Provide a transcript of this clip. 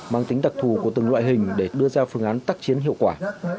mang tính đặc thù của từng loại hình để đưa ra phương án tác chiến hiệu quả